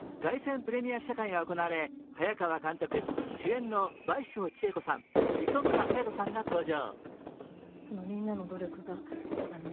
プレミア試写会が行われ、早川監督、主演の倍賞千恵子さん磯村勇斗さんが登場。